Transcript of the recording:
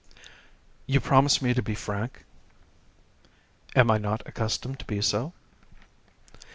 "You promise me to be frank?" "Am I not accustomed to be so?"